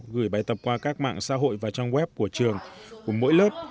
gửi bài tập qua các mạng xã hội và trang web của trường của mỗi lớp